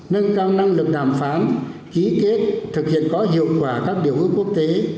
nâng cao năng lực đàm phán ký kết thực hiện có hiệu quả các điều ước quốc tế